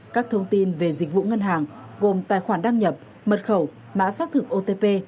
các thông tin về dịch vụ ngân hàng gồm tài khoản đăng nhập mật khẩu mã xác thực otp